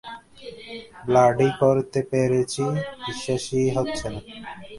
Bloody করতে পেরেছি, বিশ্বাসই হচ্ছে না।